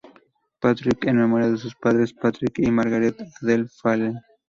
Patrick, en memoria de sus padres, Patrick y Margaret Adele Phelan.